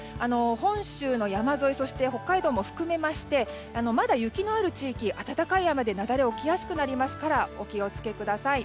本州の山沿いそして北海道も含めましてまだ雪のある地域、温かい雨で雪崩が起きやすくなりますからお気を付けください。